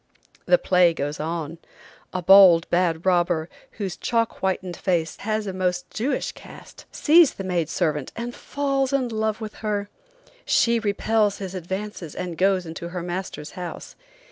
The play goes on. A bold, bad robber, whose chalk whitened face has a most Jewish cast, sees the maid servant and falls in love with her. She repels his advances and goes into her master's house.